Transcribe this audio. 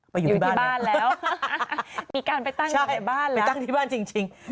ไปอยู่ที่บ้านแล้วอยู่ที่บ้านแล้ว